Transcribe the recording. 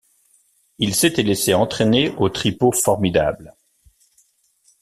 Il s’était laissé entraîner au tripot formidable.